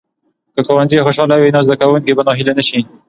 که ښوونځي خوشاله وي، نو زده کوونکي به ناهیلي نه شي.